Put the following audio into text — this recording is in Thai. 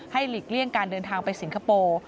หลีกเลี่ยงการเดินทางไปสิงคโปร์